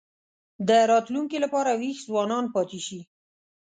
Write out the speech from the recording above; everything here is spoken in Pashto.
د راتلونکي لپاره وېښ ځوانان پاتې شي.